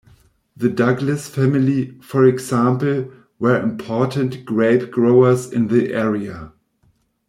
The Douglas family, for example, were important grape growers in the area.